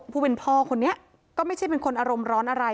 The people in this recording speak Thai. ผู้เป็นพ่อคนนี้ก็ไม่ใช่เป็นคนอารมณ์ร้อนอะไร